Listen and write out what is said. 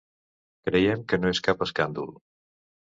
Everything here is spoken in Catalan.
Creiem que no és cap escàndol.